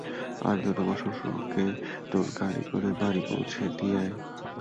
আনন্দ, তোর শ্বশুরকে তোর গাড়ি করে বাড়ি পৌছে দিয়ে আয়।